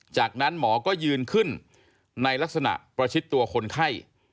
จากนั้นหมอก็ยืนขึ้นในลักษณะประชิดตัวคนไข้